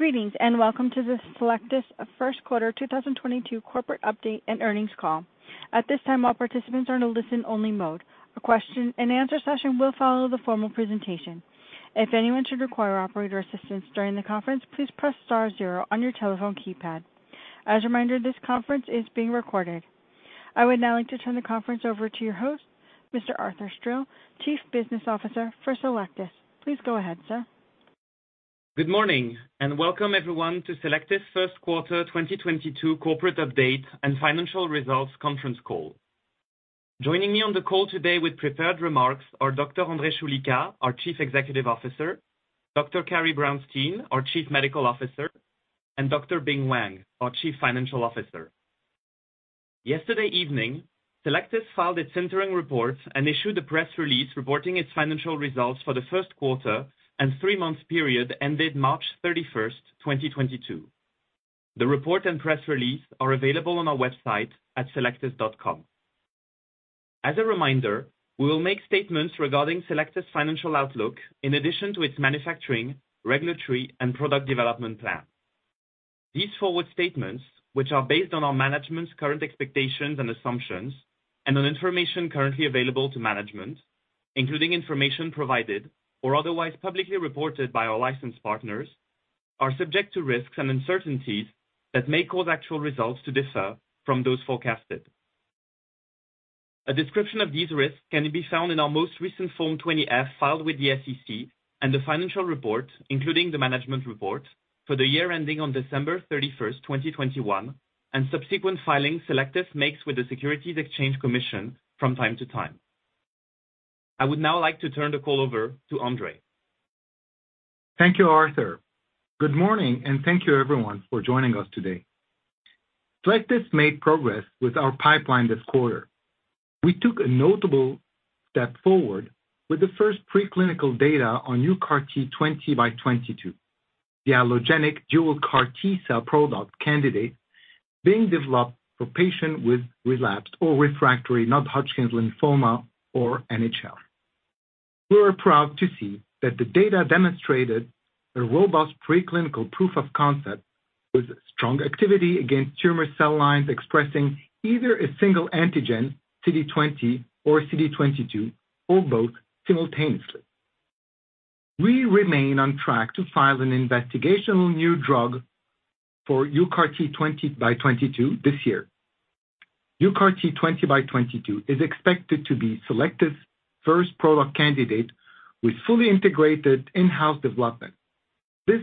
Greetings, and welcome to the Cellectis First Quarter 2022 Corporate Update and Earnings Call. At this time, all participants are in a listen-only mode. A question and answer session will follow the formal presentation. If anyone should require operator assistance during the conference, please press star zero on your telephone keypad. As a reminder, this conference is being recorded. I would now like to turn the conference over to your host, Mr. Arthur Stril, Chief Business Officer for Cellectis. Please go ahead, sir. Good morning, and welcome everyone to Cellectis first quarter 2022 corporate update and financial results conference call. Joining me on the call today with prepared remarks are Dr. André Choulika, our Chief Executive Officer, Dr. Carrie Brownstein, our Chief Medical Officer, and Dr. Bing Wang, our Chief Financial Officer. Yesterday evening, Cellectis filed its Form 6-K and issued a press release reporting its financial results for the first quarter and three-month period ended March 31, 2022. The report and press release are available on our website at cellectis.com. As a reminder, we will make statements regarding Cellectis' financial outlook in addition to its manufacturing, regulatory, and product development plan. These forward statements, which are based on our management's current expectations and assumptions and on information currently available to management, including information provided or otherwise publicly reported by our licensed partners, are subject to risks and uncertainties that may cause actual results to differ from those forecasted. A description of these risks can be found in our most recent Form 20-F filed with the SEC and the financial report, including the management report for the year ending on December 31, 2021, and subsequent filings Cellectis makes with the Securities and Exchange Commission from time to time. I would now like to turn the call over to André Choulika. Thank you, Arthur. Good morning, and thank you everyone for joining us today. Cellectis made progress with our pipeline this quarter. We took a notable step forward with the first preclinical data on UCART20x22, the allogeneic dual CAR T-cell product candidate being developed for patients with relapsed or refractory non-Hodgkin's lymphoma, or NHL. We are proud to see that the data demonstrated a robust preclinical proof of concept with strong activity against tumor cell lines expressing either a single antigen, CD20 or CD22, or both simultaneously. We remain on track to file an investigational new drug for UCART20x22 this year. UCART20x22 is expected to be Cellectis' first product candidate with fully integrated in-house development. This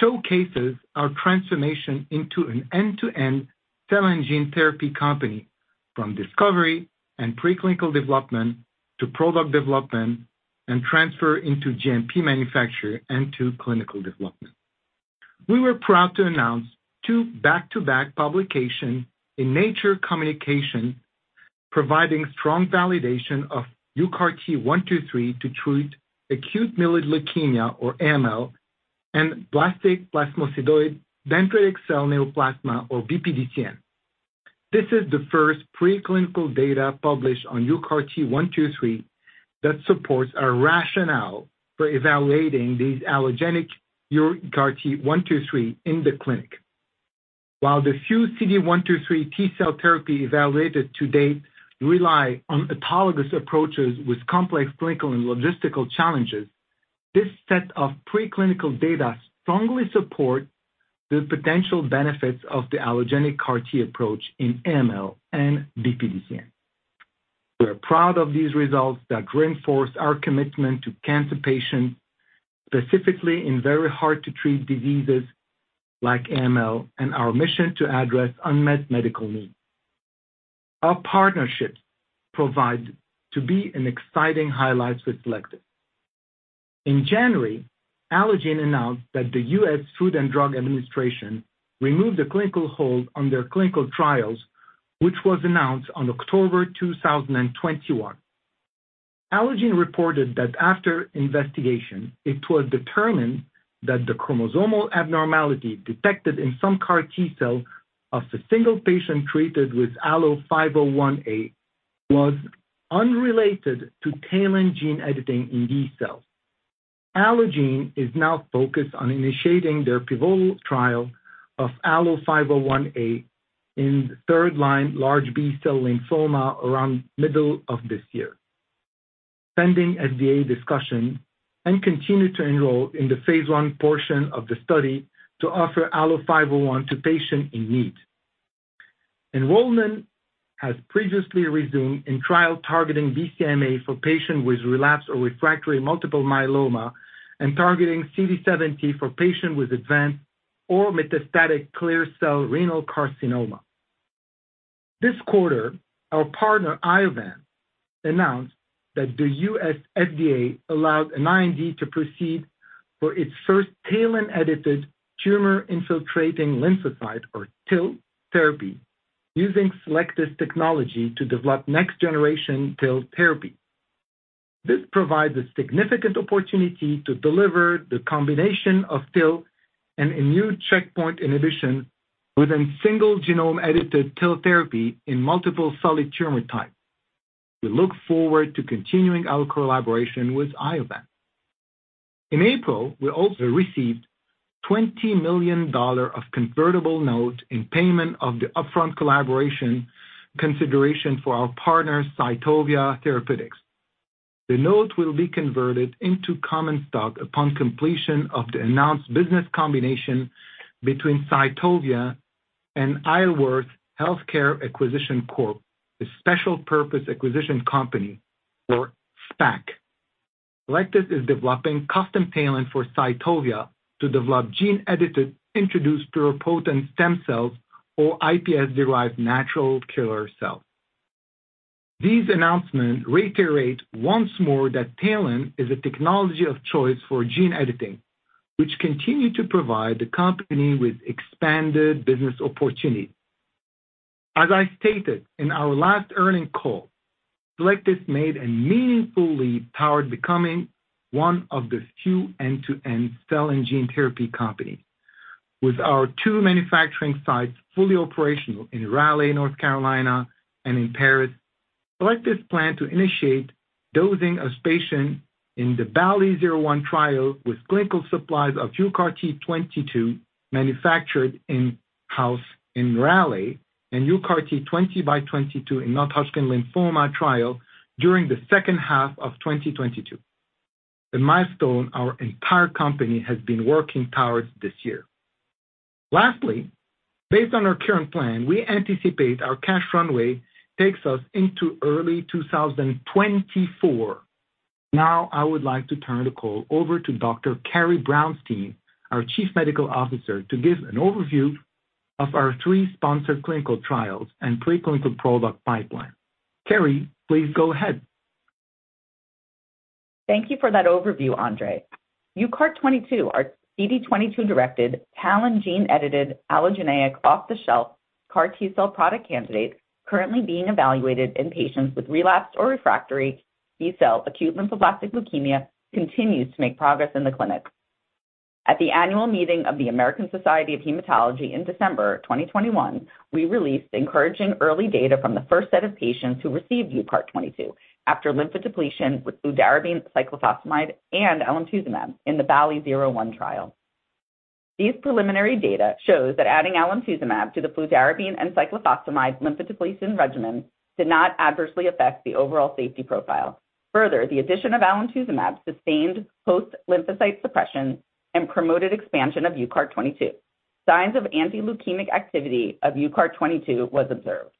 showcases our transformation into an end-to-end cell and gene therapy company from discovery and preclinical development to product development and transfer into GMP manufacturing and to clinical development. We were proud to announce two back-to-back publications in Nature Communications, providing strong validation of UCART123 to treat acute myeloid leukemia, or AML, and blastic plasmacytoid dendritic cell neoplasm or BPDCN. This is the first preclinical data published on UCART123 that supports our rationale for evaluating these allogeneic UCART123 in the clinic. While the few CD123 T-cell therapies evaluated to date rely on autologous approaches with complex clinical and logistical challenges, this set of preclinical data strongly supports the potential benefits of the allogeneic CAR T approach in AML and BPDCN. We are proud of these results that reinforce our commitment to cancer patients, specifically in very hard to treat diseases like AML and our mission to address unmet medical needs. Our partnerships proved to be an exciting highlight with Cellectis. In January, Allogene announced that the U.S. Food and Drug Administration removed the clinical hold on their clinical trials, which was announced on October 2021. Allogene reported that after investigation, it was determined that the chromosomal abnormality detected in some CAR T cells of a single patient treated with ALLO-501A was unrelated to TALEN gene editing in these cells. Allogene is now focused on initiating their pivotal trial of ALLO-501A in third line large B-cell lymphoma around middle of this year, pending FDA discussion, and continue to enroll in the phase I portion of the study to offer ALLO-501 to patients in need. Enrollment has previously resumed in trial targeting BCMA for patients with relapsed or refractory multiple myeloma and targeting CD70 for patients with advanced or metastatic clear cell renal carcinoma. This quarter, our partner Iovance announced that the U.S. FDA allowed an IND to proceed for its first TALEN-edited tumor-infiltrating lymphocyte, or TIL therapy, using Cellectis technology to develop next generation TIL therapy. This provides a significant opportunity to deliver the combination of TIL and a new checkpoint inhibitor within single genome-edited TIL therapy in multiple solid tumor types. We look forward to continuing our collaboration with Iovance. In April, we also received $20 million of convertible note in payment of the upfront collaboration consideration for our partner, Cytovia Therapeutics. The note will be converted into common stock upon completion of the announced business combination between Cytovia and Isleworth Healthcare Acquisition Corp, a special purpose acquisition company, or SPAC. Cellectis is developing custom TALENs for Cytovia to develop gene-edited induced pluripotent stem cells, or iPS-derived natural killer cells. These announcements reiterate once more that TALEN is a technology of choice for gene editing, which continue to provide the company with expanded business opportunities. As I stated in our last earnings call, Cellectis made a meaningful leap toward becoming one of the few end-to-end cell and gene therapy companies. With our two manufacturing sites fully operational in Raleigh, North Carolina, and in Paris, Cellectis plans to initiate dosing of patients in the BALLI-01 trial with clinical supplies of UCART22 manufactured in-house in Raleigh and UCART20x22 in Non-Hodgkin lymphoma trial during the second half of 2022. The milestone our entire company has been working towards this year. Lastly, based on our current plan, we anticipate our cash runway takes us into early 2024. Now, I would like to turn the call over to Dr. Carrie Brownstein, our Chief Medical Officer, to give an overview of our three sponsored clinical trials and preclinical product pipeline. Carrie, please go ahead. Thank you for that overview, André. UCART22, our CD22-directed, TALEN gene-edited, allogeneic, off-the-shelf CAR T-cell product candidate currently being evaluated in patients with relapsed or refractory B-cell acute lymphoblastic leukemia continues to make progress in the clinic. At the annual meeting of the American Society of Hematology in December 2021, we released encouraging early data from the first set of patients who received UCART22 after lymphodepletion with fludarabine, cyclophosphamide and alemtuzumab in the BALLI-01 trial. These preliminary data shows that adding alemtuzumab to the fludarabine and cyclophosphamide lymphodepletion regimen did not adversely affect the overall safety profile. Further, the addition of alemtuzumab sustained post-lymphocyte suppression and promoted expansion of UCART22. Signs of anti-leukemic activity of UCART22 was observed.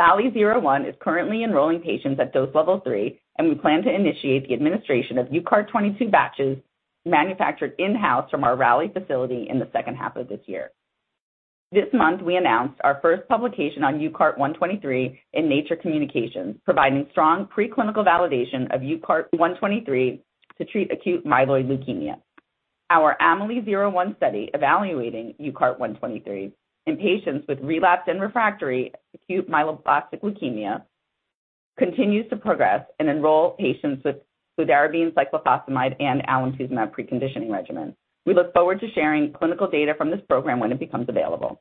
BALLI-01 is currently enrolling patients at dose level 3, and we plan to initiate the administration of UCART22 batches manufactured in-house from our Raleigh facility in the second half of this year. This month, we announced our first publication on UCART123 in Nature Communications, providing strong preclinical validation of UCART123 to treat acute myeloid leukemia. Our AMELI-01 study evaluating UCART123 in patients with relapsed and refractory acute myeloid leukemia continues to progress and enroll patients with fludarabine, cyclophosphamide, and alemtuzumab preconditioning regimen. We look forward to sharing clinical data from this program when it becomes available.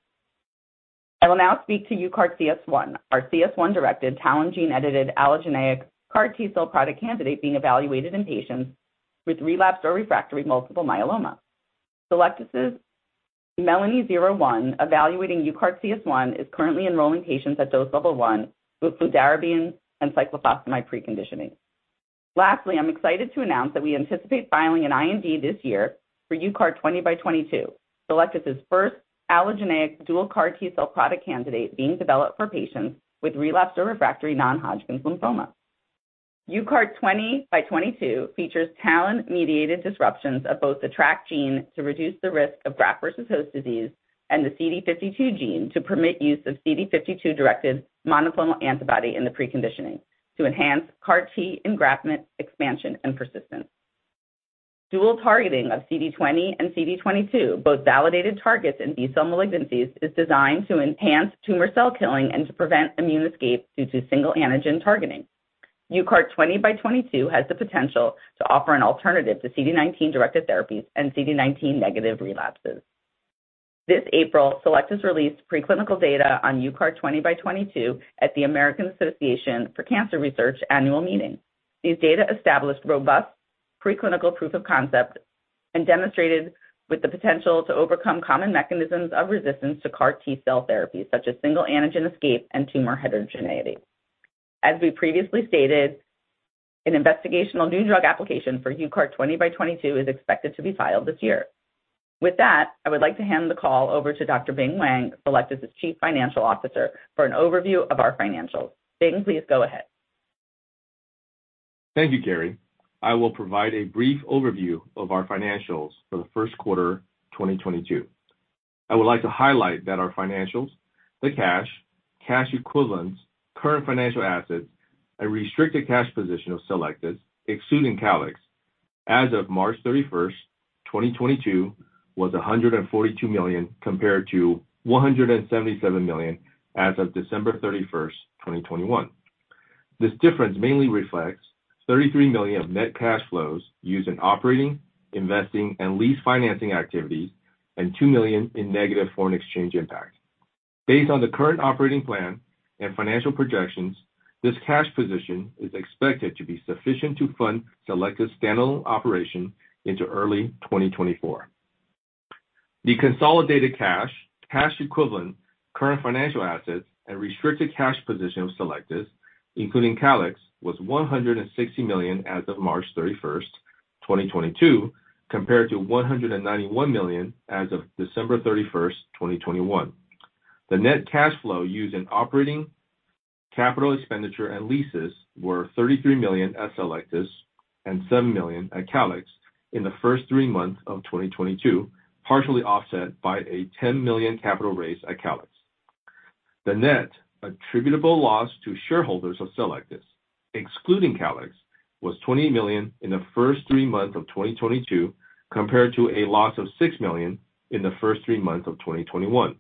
I will now speak to UCARTCS1, our CS1-directed, TALEN gene-edited allogeneic CAR T-cell product candidate being evaluated in patients with relapsed or refractory multiple myeloma. Cellectis's MELANI-01 evaluating UCARTCS1 is currently enrolling patients at dose level 1 with fludarabine and cyclophosphamide preconditioning. Lastly, I'm excited to announce that we anticipate filing an IND this year for UCART20x22, Cellectis' first allogeneic dual CAR T-cell product candidate being developed for patients with relapsed or refractory non-Hodgkin lymphoma. UCART20x22 features TALEN-mediated disruptions of both the TRAC gene to reduce the risk of graft versus host disease and the CD52 gene to permit use of CD52-directed monoclonal antibody in the preconditioning to enhance CAR T engraftment, expansion, and persistence. Dual targeting of CD20 and CD22, both validated targets in B-cell malignancies, is designed to enhance tumor cell killing and to prevent immune escape due to single antigen targeting. UCART20x22 has the potential to offer an alternative to CD19-directed therapies and CD19-negative relapses. This April, Cellectis released preclinical data on UCART20x22 at the American Association for Cancer Research Annual Meeting. These data established robust preclinical proof of concept and demonstrated the potential to overcome common mechanisms of resistance to CAR T-cell therapies such as single antigen escape and tumor heterogeneity. As we previously stated, an investigational new drug application for UCART20x22 is expected to be filed this year. With that, I would like to hand the call over to Dr. Bing Wang, Cellectis's Chief Financial Officer, for an overview of our financials. Bing, please go ahead. Thank you, Carrie. I will provide a brief overview of our financials for the first quarter 2022. I would like to highlight that our financials, the cash equivalents, current financial assets, and restricted cash position of Cellectis, excluding Calyxt, as of March 31st, 2022, was $142 million compared to $177 million as of December 31st, 2021. This difference mainly reflects $33 million of net cash flows used in operating, investing, and lease financing activities. $2 million in negative foreign exchange impact. Based on the current operating plan and financial projections, this cash position is expected to be sufficient to fund Cellectis's standalone operation into early 2024. The consolidated cash equivalent, current financial assets, and restricted cash position of Cellectis's, including Calyxt, was $160 million as of March 31st, 2022, compared to $191 million as of December 31, 2021. The net cash flow used in operating capital expenditure and leases were $33 million at Cellectis and $7 million at Calyxt in the first three months of 2022, partially offset by a $10 million capital raise at Calyxt. The net attributable loss to shareholders of Cellectis, excluding Calyxt, was $20 million in the first three months of 2022, compared to a loss of $6 million in the first three months of 2021.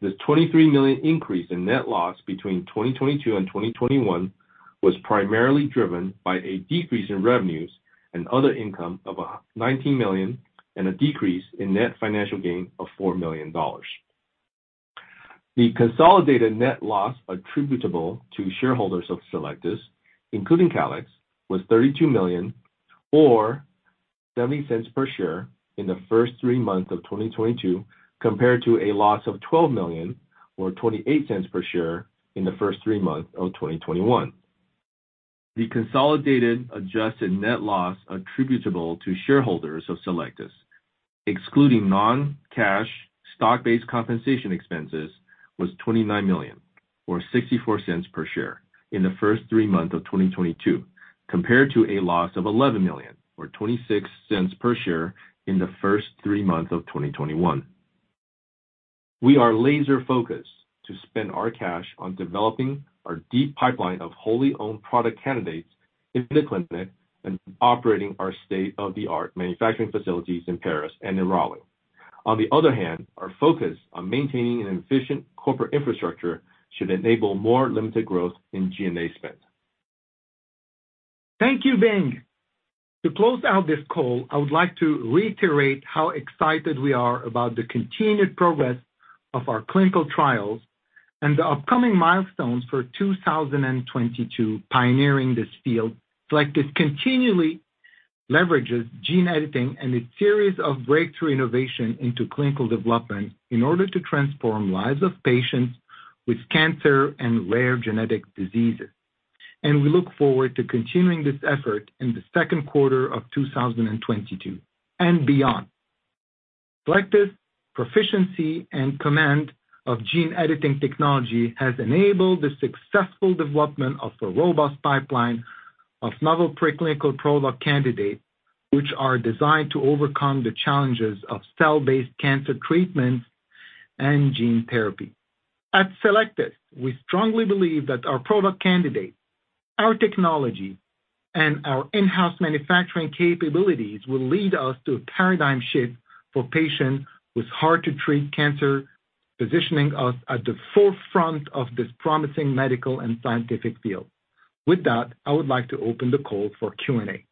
The $23 million increase in net loss between 2022 and 2021 was primarily driven by a decrease in revenues and other income of $19 million and a decrease in net financial gain of $4 million. The consolidated net loss attributable to shareholders of Cellectis, including Calyxt, was $32 million or $0.07 per share in the first three months of 2022, compared to a loss of $12 million or $0.28 per share in the first three months of 2021. The consolidated adjusted net loss attributable to shareholders of Cellectis, excluding non-cash stock-based compensation expenses, was $29 million or $0.64 per share in the first three months of 2022, compared to a loss of $11 million or $0.26 per share in the first three months of 2021. We are laser-focused to spend our cash on developing our deep pipeline of wholly owned product candidates in the clinic and operating our state-of-the-art manufacturing facilities in Paris and in Raleigh. On the other hand, our focus on maintaining an efficient corporate infrastructure should enable more limited growth in G&A spend. Thank you, Bing. To close out this call, I would like to reiterate how excited we are about the continued progress of our clinical trials and the upcoming milestones for 2022 pioneering this field. Cellectis continually leverages gene editing and a series of breakthrough innovation into clinical development in order to transform lives of patients with cancer and rare genetic diseases. We look forward to continuing this effort in the second quarter of 2022 and beyond. Cellectis's proficiency and command of gene editing technology has enabled the successful development of a robust pipeline of novel preclinical product candidates, which are designed to overcome the challenges of cell-based cancer treatments and gene therapy. At Cellectis, we strongly believe that our product candidates, our technology, and our in-house manufacturing capabilities will lead us to a paradigm shift for patients with hard-to-treat cancer, positioning us at the forefront of this promising medical and scientific field. With that, I would like to open the call for Q&A.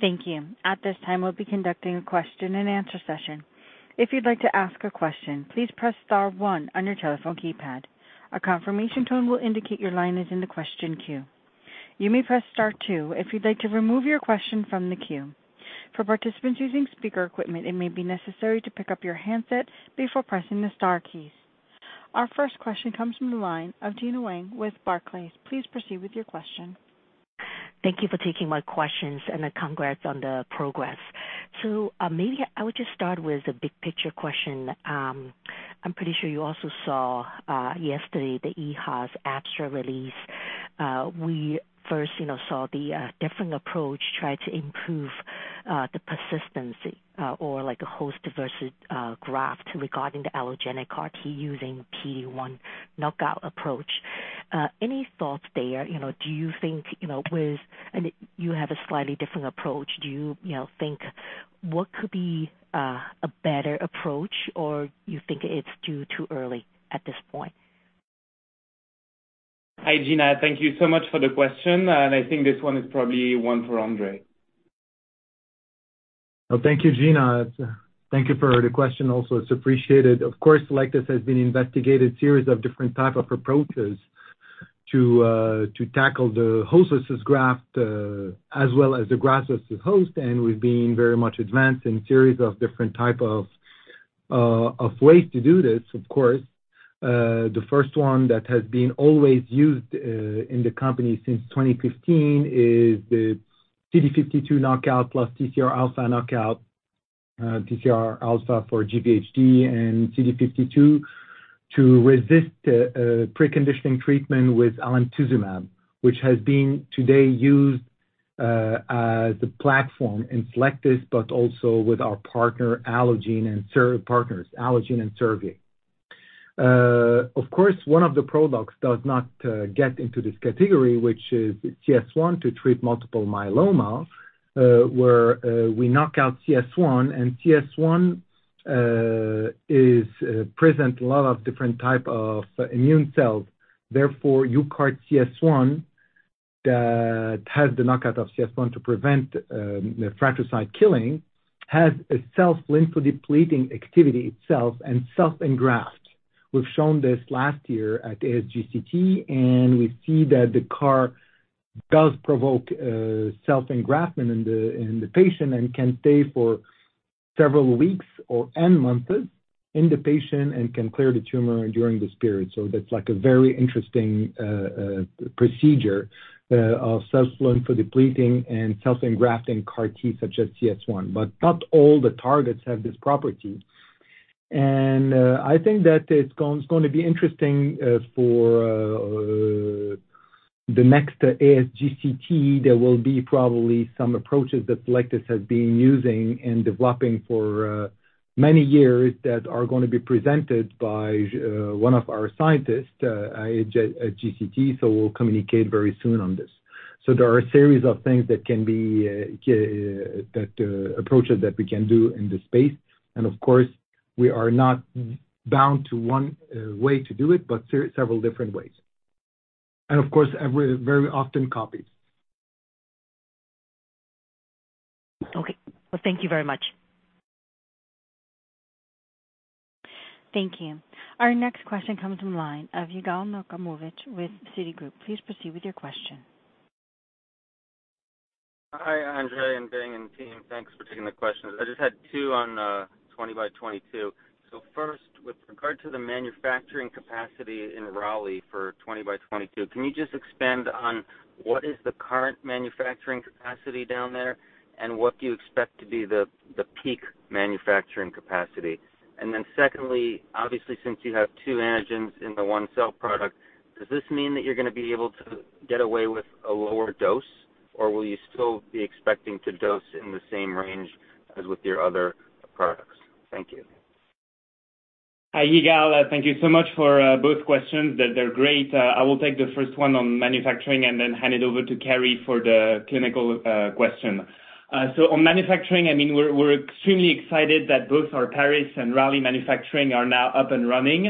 Thank you. At this time, we'll be conducting a question-and-answer session. If you'd like to ask a question, please press star one on your telephone keypad. A confirmation tone will indicate your line is in the question queue. You may press star two if you'd like to remove your question from the queue. For participants using speaker equipment, it may be necessary to pick up your handset before pressing the star keys. Our first question comes from the line of Gena Wang with Barclays. Please proceed with your question. Thank you for taking my questions, and congrats on the progress. Maybe I would just start with a big-picture question. I'm pretty sure you also saw yesterday the EHA's abstract release. We first, saw the different approach try to improve the persistence or like, a host versus graft regarding the allogeneic CAR T using PD-1 knockout approach. Any thoughts there? You know, do you think, with and you have a slightly different approach. Do you think, what could be a better approach, or you think it's too early at this point? Hi, Gena. Thank you so much for the question. I think this one is probably one for André. Well, thank you, Gena. Thank you for the question also. It's appreciated. Of course, Cellectis has been investigated series of different type of approaches to tackle the host versus graft, as well as the graft versus host, and we've been very much advanced in series of different type of ways to do this, of course. The first one that has been always used, in the company since 2015 is the CD52 knockout plus TCR alpha knockout, TCR alpha for GvHD and CD52 to resist the, preconditioning treatment with alemtuzumab, which has been today used, as the platform in Cellectis, but also with our partners Allogene and Servier. Of course, one of the products does not get into this category, which is UCARTCS1 to treat multiple myeloma, where we knock out CS1, and CS1 is present a lot of different type of immune cells. Therefore, UCARTCS1. That has the knockout of CS1 to prevent the fratricide killing, has a self lympho-depleting activity itself and self engraft. We've shown this last year at ASGCT, and we see that the CAR does provoke self engraftment in the patient and can stay for several weeks or months in the patient and can clear the tumor during this period. That's like a very interesting procedure of self lymph depleting and self engrafting CAR T such as CS1. Not all the targets have this property. I think that it's going to be interesting for the next ASGCT. There will be probably some approaches that Cellectis has been using and developing for many years that are gonna be presented by one of our scientists at ASGCT, so we'll communicate very soon on this. There are a series of approaches that we can do in the space. Of course, we are not bound to one way to do it, but several different ways. Of course, we are very often copied. Okay. Well, thank you very much. Thank you. Our next question comes from the line of Yigal Nochomovitz with Citigroup. Please proceed with your question. Hi, André and Ben and team. Thanks for taking the questions. I just had two on UCART20x22. First, with regard to the manufacturing capacity in Raleigh for UCART20x22, can you just expand on what is the current manufacturing capacity down there? And what do you expect to be the peak manufacturing capacity? Then secondly, obviously, since you have two antigens in the one cell product, does this mean that you're gonna be able to get away with a lower dose, or will you still be expecting to dose in the same range as with your other products? Thank you. Hi, Yigal. Thank you so much for both questions. They're great. I will take the first one on manufacturing and then hand it over to Carrie for the clinical question. On manufacturing, I mean, we're extremely excited that both our Paris and Raleigh manufacturing are now up and running,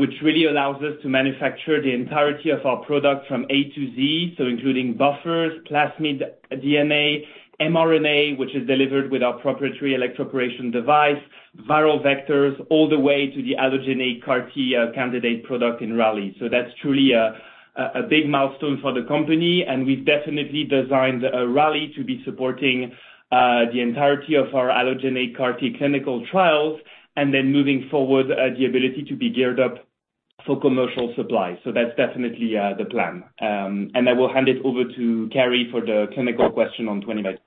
which really allows us to manufacture the entirety of our product from A to Z. Including buffers, plasmid DNA, mRNA, which is delivered with our proprietary electroporation device, viral vectors, all the way to the allogeneic CAR T candidate product in Raleigh. That's truly a big milestone for the company, and we've definitely designed Raleigh to be supporting the entirety of our allogeneic CAR T clinical trials, and then moving forward, the ability to be geared up for commercial supply. That's definitely the plan. I will hand it over to Carrie for the clinical question on UCART20x22.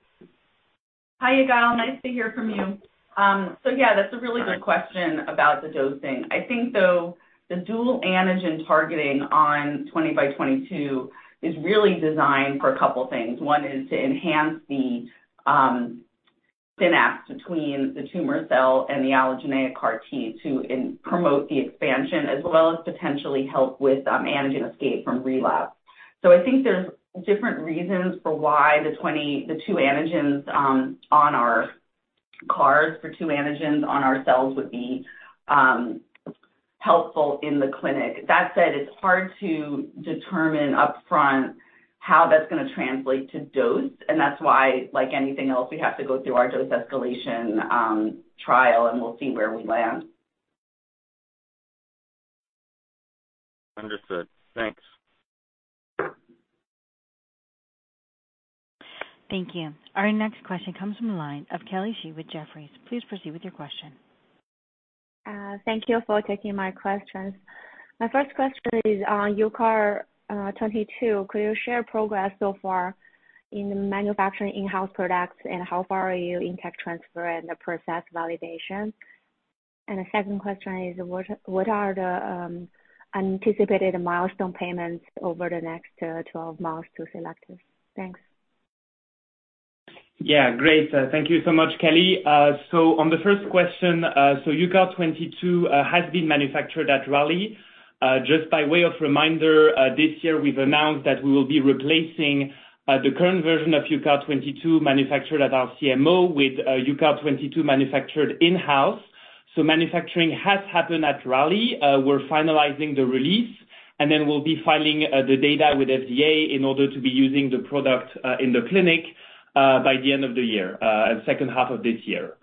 Hi, Yigal. Nice to hear from you. Yeah, that's a really good question about the dosing. I think, though, the dual antigen targeting on UCART20x22 is really designed for a couple things. One is to enhance the synapse between the tumor cell and the allogeneic CAR T to promote the expansion as well as potentially help with antigen escape from relapse. I think there's different reasons for why the two antigens on our CARs for two antigens on our cells would be helpful in the clinic. That said, it's hard to determine upfront how that's gonna translate to dose, and that's why, like anything else, we have to go through our dose escalation trial, and we'll see where we land. Understood. Thanks. Thank you. Our next question comes from the line of Kelly Shi with Jefferies. Please proceed with your question. Thank you for taking my questions. My first question is on UCART22. Could you share progress so far in manufacturing in-house products, and how far are you in tech transfer and the process validation? The second question is, what are the anticipated milestone payments over the next 12 months to Cellectis? Thanks. Yeah. Great. Thank you so much, Kelly. On the first question, UCART22 has been manufactured at Raleigh. Just by way of reminder, this year we've announced that we will be replacing the current version of UCART22 manufactured at our CMO with UCART22 manufactured in-house. Manufacturing has happened at Raleigh. We're finalizing the release, and then we'll be filing the data with FDA in order to be using the product in the clinic by the end of the year, second half of this year.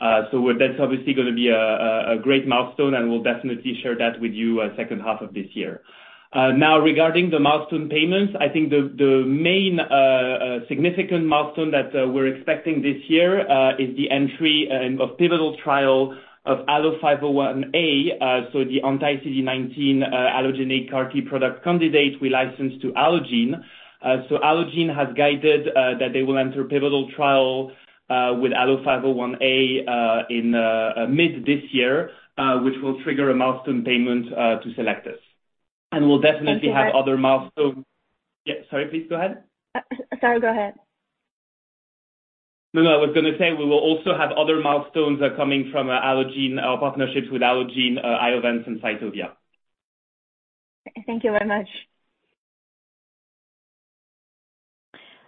That's obviously gonna be a great milestone, and we'll definitely share that with you second half of this year. Now, regarding the milestone payments, I think the main significant milestone that we're expecting this year is the entry of pivotal trial of ALLO-501A, so the anti-CD19 allogeneic CAR-T product candidate we licensed to Allogene. Allogene has guided that they will enter pivotal trial with ALLO-501A in mid this year, which will trigger a milestone payment to Cellectis. We'll definitely have other milestones. Thank you. Yeah. Sorry, please go ahead. Sorry, go ahead. No, no. I was gonna say, we will also have other milestones coming from partnerships with Allogene, Iovance and Cytovia. Thank you very much.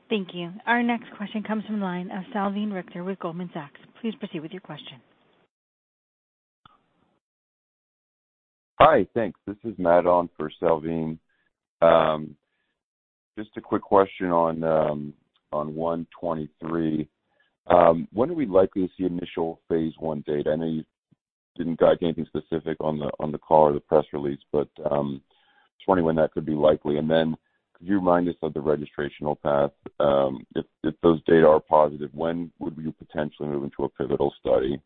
Thank you. Our next question comes from the line of Salveen Richter with Goldman Sachs. Please proceed with your question. Hi, thanks. This is Matt on for Salveen Richter. Just a quick question on UCART123. When are we likely to see initial phase I data? I know you didn't guide anything specific on the call or the press release, but just wondering when that could be likely. Could you remind us of the registrational path, if those data are positive, when would we potentially move into a pivotal study?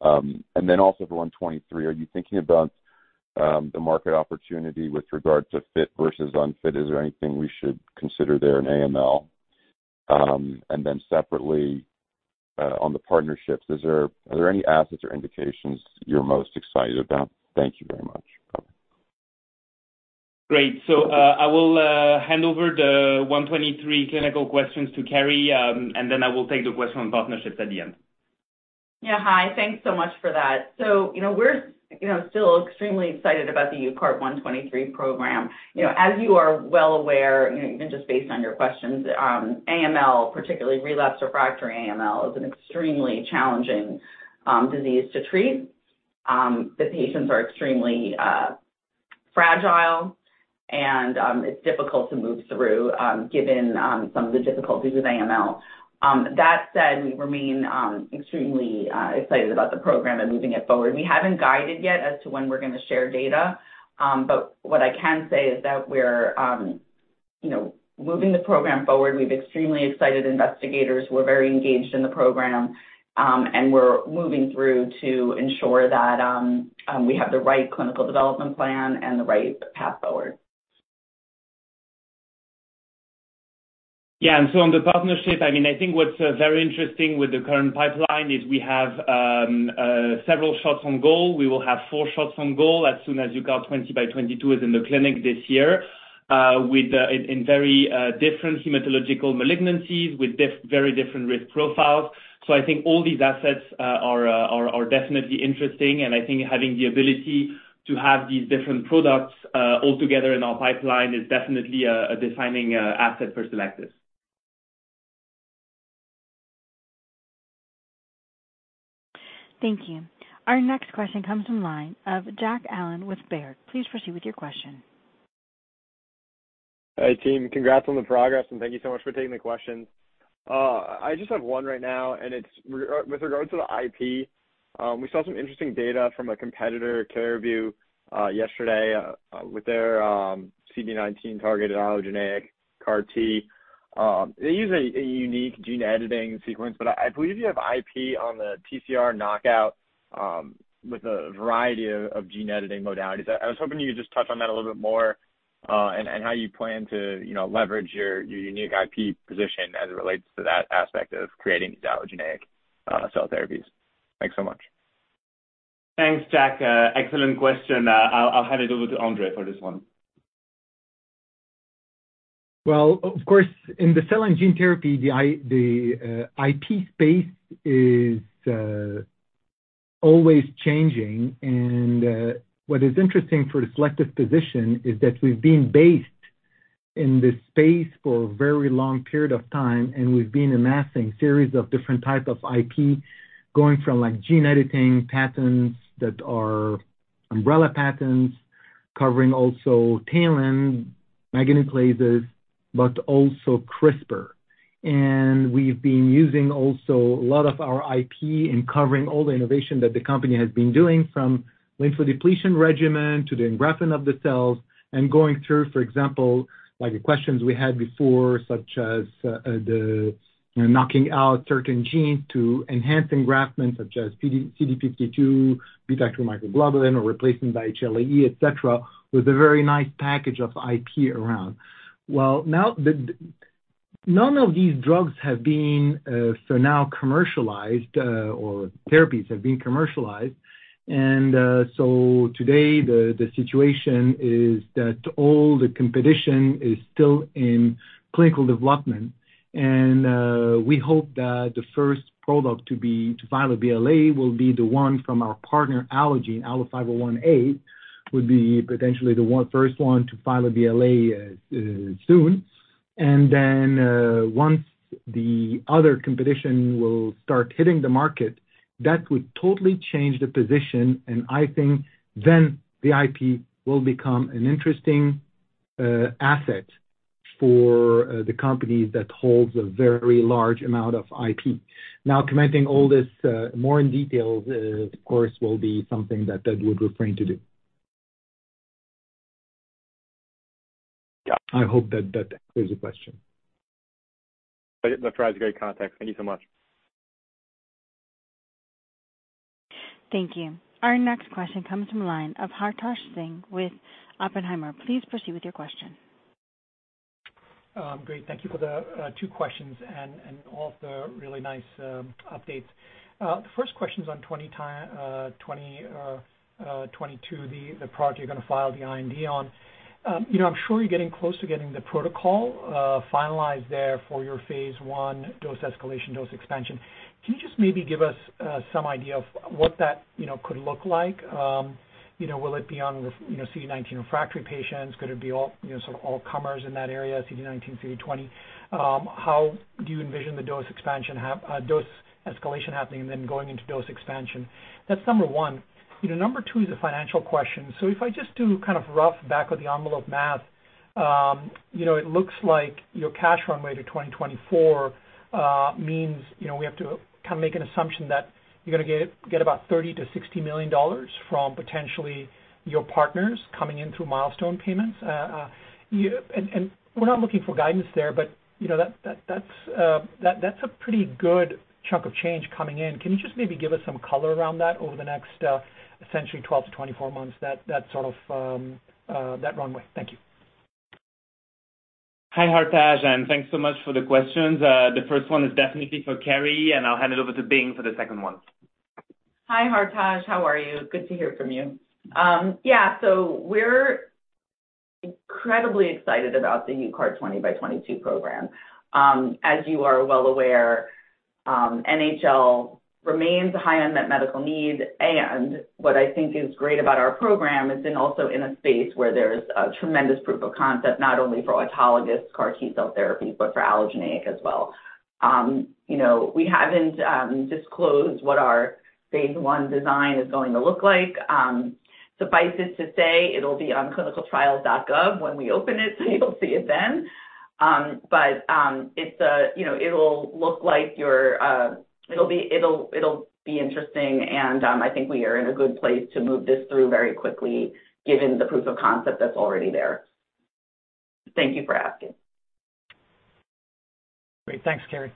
And then also for UCART123, are you thinking about the market opportunity with regard to fit versus unfit? Is there anything we should consider there in AML? And then separately, on the partnerships, are there any assets or indications you're most excited about? Thank you very much. Bye. Great. I will hand over the UCART123 clinical questions to Carrie, and then I will take the question on partnerships at the end. Yeah, hi, thanks so much for that. You know, we're still extremely excited about the UCART123 program. You know, as you are well aware, even just based on your questions, AML, particularly relapsed refractory AML, is an extremely challenging disease to treat. The patients are extremely fragile and it's difficult to move through, given some of the difficulties with AML. That said, we remain extremely excited about the program and moving it forward. We haven't guided yet as to when we're gonna share data. But what I can say is that we're moving the program forward. We have extremely excited investigators who are very engaged in the program, and we're moving through to ensure that we have the right clinical development plan and the right path forward. On the partnership, I mean, I think what's very interesting with the current pipeline is we have several shots on goal. We will have four shots on goal as soon as UCART20x22 is in the clinic this year, with in very different hematological malignancies with very different risk profiles. I think all these assets are definitely interesting. I think having the ability to have these different products all together in our pipeline is definitely a defining asset for Cellectis. Thank you. Our next question comes from line of Jack Allen with Baird. Please proceed with your question. Hey, team. Congrats on the progress, and thank you so much for taking the questions. I just have one right now, and it's with regards to the IP. We saw some interesting data from a competitor, Caribou, yesterday, with their CD19 targeted allogeneic CAR T. They use a unique gene editing sequence, but I believe you have IP on the TCR knockout with a variety of gene editing modalities. I was hoping you could just touch on that a little bit more, and how you plan to, leverage your unique IP position as it relates to that aspect of creating these allogeneic cell therapies. Thanks so much. Thanks, Jack. Excellent question. I'll hand it over to André for this one. Well, of course, in the cell and gene therapy, the IP space is always changing. What is interesting for the Cellectis position is that we've been based in this space for a very long period of time, and we've been amassing series of different type of IP, going from like gene editing patents that are umbrella patents, covering also TALEN meganucleases, but also CRISPR. We've been using also a lot of our IP in covering all the innovation that the company has been doing from lymphodepletion regimen to the engraftment of the cells and going through, for example, like the questions we had before, such as, you know, knocking out certain genes to enhance engraftment, such as PD-1, CD52, beta-2 microglobulin, or replacement by HLA E, etc., with a very nice package of IP around. None of these drugs have been commercialized, or therapies have been commercialized. Today the situation is that all the competition is still in clinical development. We hope that the first product to file a BLA will be the one from our partner, Allogene. ALLO-501A would be potentially the first one to file a BLA soon. Once the other competition will start hitting the market, that would totally change the position, and I think then the IP will become an interesting asset for the company that holds a very large amount of IP. Now, commenting all this more in detail, of course will be something that I would refrain to do. I hope that clears the question. That's great context. Thank you so much. Thank you. Our next question comes from line of Hartaj Singh with Oppenheimer. Please proceed with your question. Great. Thank you for the two questions and all of the really nice updates. The first question's on UCART22, the product you're gonna file the IND on. You know, I'm sure you're getting close to getting the protocol finalized there for your phase I dose escalation, dose expansion. Can you just maybe give us some idea of what that, you know, could look like? You know, will it be on the CD19 refractory patients? Could it be all, you know, sort of all comers in that area, CD19, CD20? How do you envision the dose escalation happening and then going into dose expansion? That's number one. You know, number two is a financial question. If I just do kind of rough back of the envelope math, it looks like your cash runway to 2024 means, we have to kind of make an assumption that you're gonna get about $30 million-$60 million from potentially your partners coming in through milestone payments. And we're not looking for guidance there, but that's a pretty good chunk of change coming in. Can you just maybe give us some color around that over the next essentially 12-24 months that sort of runway? Thank you. Hi, Hartaj, and thanks so much for the questions. The first one is definitely for Carrie, and I'll hand it over to Bing for the second one. Hi, Hartaj. How are you? Good to hear from you. Yeah, we're incredibly excited about the UCART22 program. As you are well aware, NHL remains a high unmet medical need, and what I think is great about our program is also in a space where there's a tremendous proof of concept, not only for autologous CAR T-cell therapy, but for allogeneic as well. You know, we haven't disclosed what our phase I design is going to look like. Suffice it to say it'll be on ClinicalTrials.gov when we open it, so you'll see it then. It'll be interesting, and I think we are in a good place to move this through very quickly given the proof of concept that's already there. Thank you for asking. Great. Thanks, Carrie.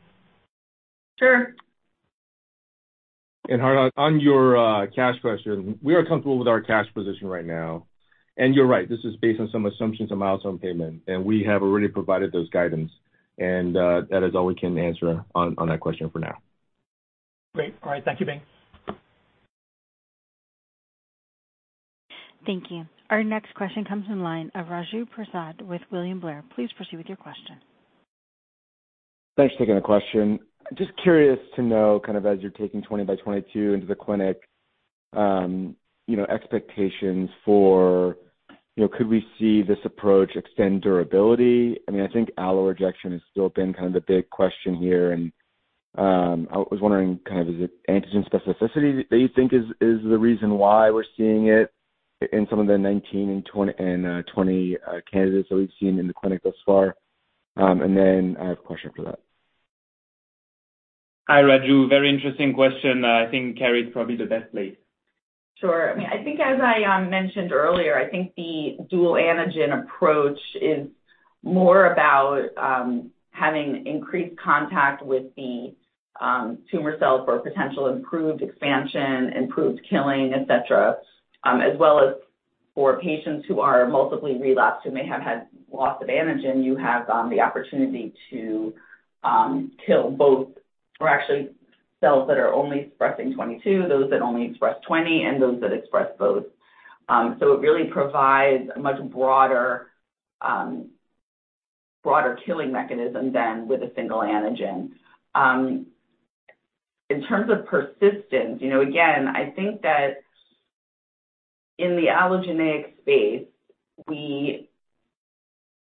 Sure. Hartaj, on your cash question, we are comfortable with our cash position right now. You're right, this is based on some assumptions of milestone payment, and we have already provided those guidance, and that is all we can answer on that question for now. Great. All right. Thank you, Bing. Thank you. Our next question comes in line of Raju Prasad with William Blair. Please proceed with your question. Thanks for taking the question. Just curious to know kind of as you're taking UCART20x22 into the clinic, you know, expectations for, you know, could we see this approach extend durability? I mean, I think allo rejection has still been kind of the big question here, and I was wondering kind of is it antigen specificity that you think is the reason why we're seeing it in some of the UCART19 and UCART22 candidates that we've seen in the clinic thus far? I have a question after that. Hi, Raju. Very interesting question. I think Carrie's probably the best place. Sure. I mean, I think as I mentioned earlier, I think the dual antigen approach is more about having increased contact with the tumor cells for potential improved expansion, improved killing, et cetera, as well as for patients who are multiply relapsed who may have had loss of antigen, you have the opportunity to kill both or actually cells that are only expressing CD22, those that only express CD20, and those that express both. So it really provides a much broader killing mechanism than with a single antigen. In terms of persistence, again, I think that in the allogeneic space, we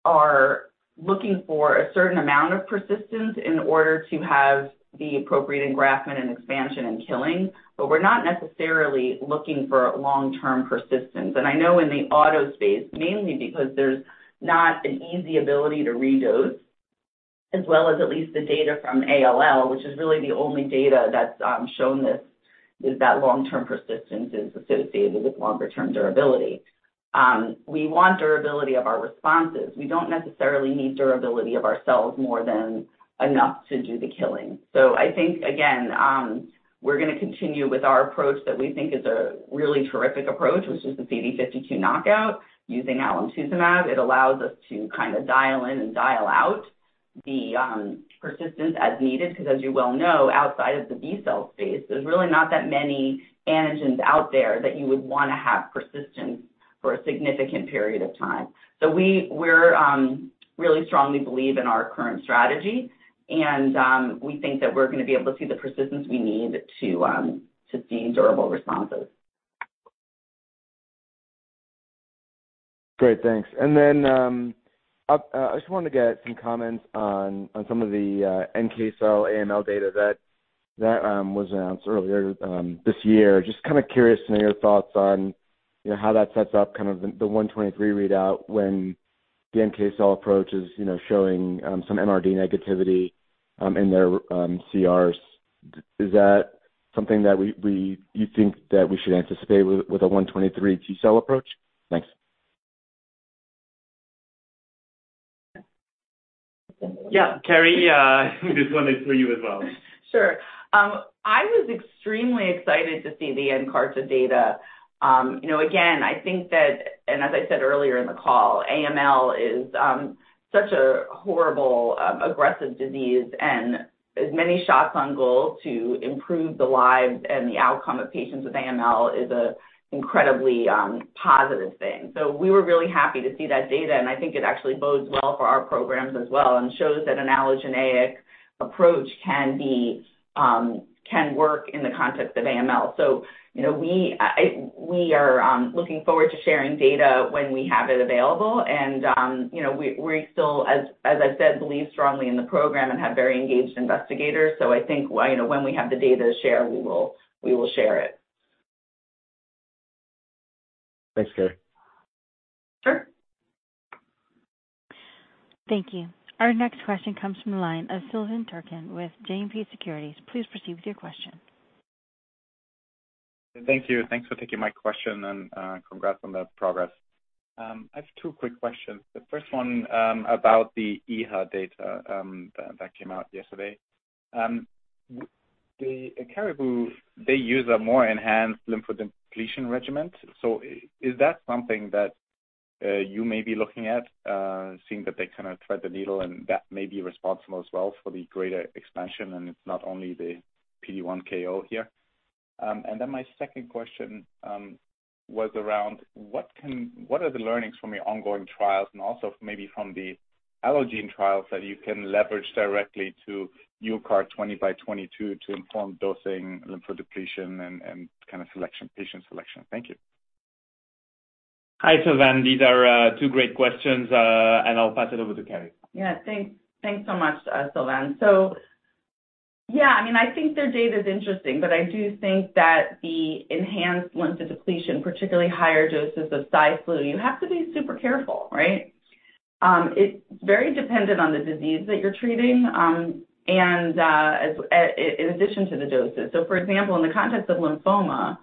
are looking for a certain amount of persistence in order to have the appropriate engraftment and expansion and killing, but we're not necessarily looking for long-term persistence. I know in the autologous space, mainly because there's not an easy ability to redose, as well as at least the data from ALL, which is really the only data that's shown this, is that long-term persistence is associated with longer-term durability. We want durability of our responses. We don't necessarily need durability of our cells more than enough to do the killing. I think, again, we're gonna continue with our approach that we think is a really terrific approach, which is the CD52 knockout using alemtuzumab. It allows us to kind of dial in and dial out the persistence as needed, 'cause as you well know, outside of the B-cell space, there's really not that many antigens out there that you would wanna have persistence for a significant period of time. We're really strongly believe in our current strategy and we think that we're gonna be able to see the persistence we need to see durable responses. Great. Thanks. I just wanted to get some comments on some of the NK cell AML data that was announced earlier this year. Just kind of curious to know your thoughts on, you know, how that sets up kind of the UCART123 readout when the NK cell approach is, you know, showing some MRD negativity in their CRs. Is that something that we you think that we should anticipate with a UCART123 T-cell approach? Thanks. Yeah, Carrie, this one is for you as well. Sure. I was extremely excited to see the encouraging data. You know, again, I think that, and as I said earlier in the call, AML is such a horrible, aggressive disease and as many shots on goal to improve the lives and the outcome of patients with AML is an incredibly positive thing. We were really happy to see that data, and I think it actually bodes well for our programs as well, and shows that an allogeneic approach can work in the context of AML. You know, we are looking forward to sharing data when we have it available. We still, as I said, believe strongly in the program and have very engaged investigators. I think when we have the data to share, we will share it. Thanks, Carrie. Sure. Thank you. Our next question comes from the line of Silvan Tuerkcan with Citizens JMP Securities. Please proceed with your question. Thank you. Thanks for taking my question, and congrats on the progress. I have two quick questions. The first one, about the EHA data that came out yesterday. The Caribou, they use a more enhanced lymphodepletion regimen. So is that something that you may be looking at, seeing that they kind of thread the needle and that may be responsible as well for the greater expansion and it's not only the PD-1 KO here? Then my second question was around what are the learnings from your ongoing trials and also maybe from the Allogene trials that you can leverage directly to UCART20x22 to inform dosing lymphodepletion and kind of selection, patient selection? Thank you. Hi, Silvan. These are two great questions. I'll pass it over to Carrie. Yeah. Thanks. Thanks so much, Silvan. Yeah, I mean, I think their data is interesting, but I do think that the enhanced lymphodepletion, particularly higher doses of Cy/Flu, you have to be super careful, right? It's very dependent on the disease that you're treating, and as in addition to the doses. For example, in the context of lymphoma,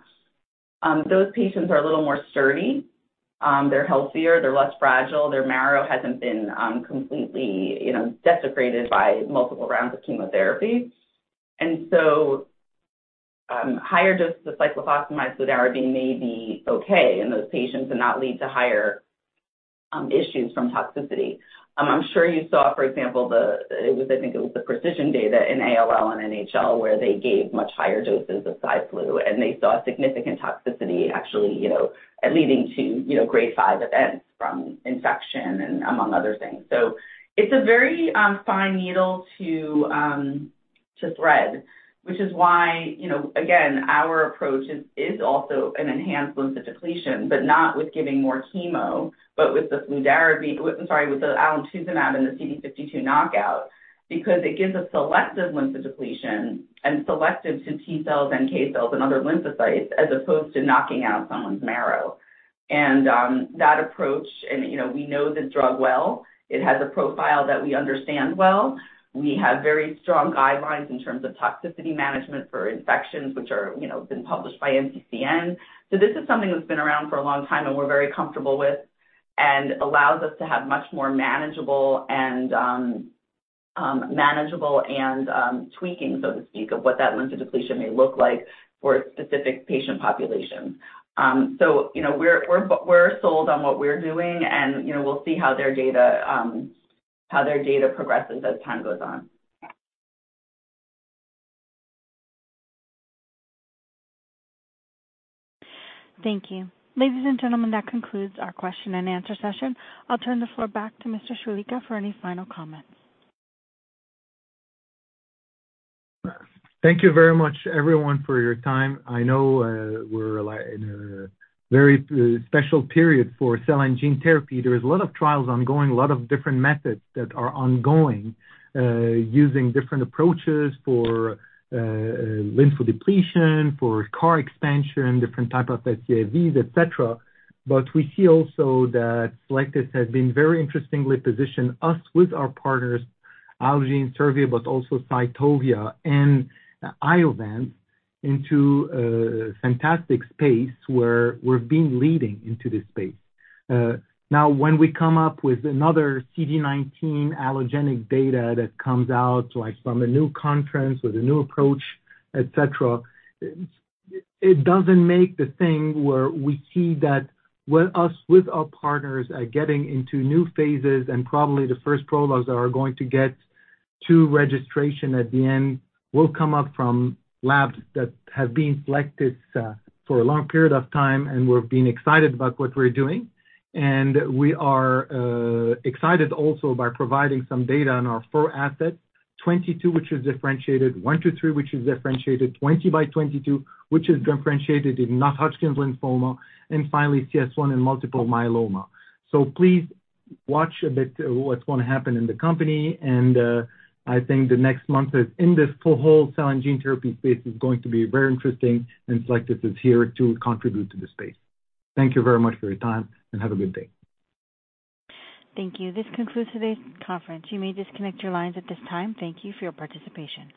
those patients are a little more sturdy, they're healthier, they're less fragile, their marrow hasn't been completely, you know, decimated by multiple rounds of chemotherapy. Higher doses of cyclophosphamide fludarabine may be okay in those patients and not lead to higher issues from toxicity. I'm sure you saw, for example, the Precision BioSciences data in ALL and NHL where they gave much higher doses of Cy/Flu, and they saw significant toxicity actually, you know, leading to, you know, grade five events from infection and among other things. It's a very fine needle to thread, which is why, you know, again, our approach is also an enhanced lymphodepletion, but not with giving more chemo, but with the fludarabine. I'm sorry, with the alemtuzumab and the CD52 knockout, because it gives a selective lymphodepletion and selective to T-cells and NK cells and other lymphocytes as opposed to knocking out someone's marrow. That approach and, you know, we know the drug well. It has a profile that we understand well. We have very strong guidelines in terms of toxicity management for infections, which are, you know, been published by NCCN. This is something that's been around for a long time and we're very comfortable with and allows us to have much more manageable and tweaking, so to speak, of what that lymphodepletion may look like for a specific patient population. You know, we're sold on what we're doing and, you know, we'll see how their data progresses as time goes on. Thank you. Ladies and gentlemen, that concludes our question and answer session. I'll turn the floor back to Mr. Choulika for any final comments. Thank you very much everyone for your time. I know, we're like in a very special period for cell and gene therapy. There is a lot of trials ongoing, a lot of different methods that are ongoing, using different approaches for lymphodepletion, for CAR expansion, different type of CARs, etc. We see also that Cellectis has been very interestingly positioned us with our partners, Allogene and Servier, but also Cytovia and Iovance into a fantastic space where we're being leading into this space. Now when we come up with another CD19 allogeneic data that comes out, like from a new conference with a new approach, etc., it doesn't make the thing where we see that with us, with our partners are getting into new phases, and probably the first products that are going to get to registration at the end will come up from labs that have been selected for a long period of time, and we're being excited about what we're doing. We are excited also by providing some data on our four assets, UCART22, which is differentiated, UCART123, which is differentiated, UCART20x22, which is differentiated in non-Hodgkin's lymphoma, and finally UCARTCS1 in multiple myeloma. Please watch a bit what's gonna happen in the company. I think the next month is in this whole cell and gene therapy space is going to be very interesting, and Cellectis is here to contribute to the space. Thank you very much for your time, and have a good day. Thank you. This concludes today's conference. You may disconnect your lines at this time. Thank you for your participation.